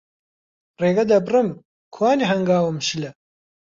ڕێگە دەبڕم، کوانێ هەنگاوم شلە